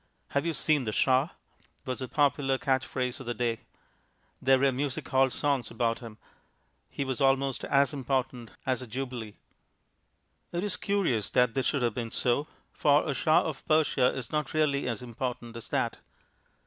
"Have you seen the Shah?" was the popular catch phrase of the day; there were music hall songs about him; he was almost as important as a jubilee. It is curious that this should have been so, for a Shah of Persia is not really as important as that.